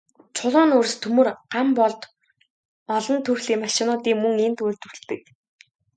Чулуун нүүрс, төмөр, ган болд, олон төрлийн машинуудыг мөн энд үйлдвэрлэдэг.